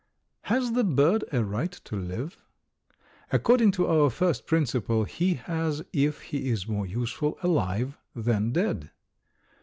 Has the bird a right to live? According to our first principle he has if he is more useful alive than dead.